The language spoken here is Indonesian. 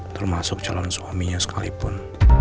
termasuk calon suaminya sekalipun